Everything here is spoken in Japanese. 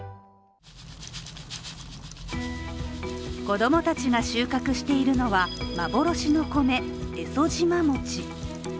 子供たちが収穫しているのは幻の米、エソジマモチ。